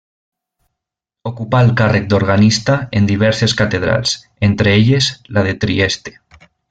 Ocupà el càrrec d'organista en diverses catedrals, entre elles la de Trieste.